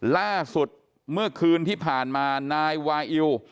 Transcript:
ล่าสุดเมื่อคืนที่ผ่านมานายวาอิว